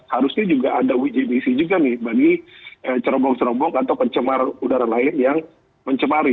harusnya juga ada uji emisi juga nih bagi cerobong cerombong atau pencemar udara lain yang mencemari